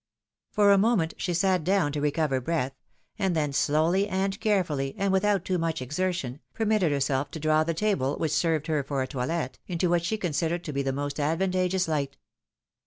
For a moment she sat down to recover breath, and then slowly and carefully, and without too much exertion, permitted herself to draw the table, which served her for a toilet, into what she considered to be the most advantageous hght.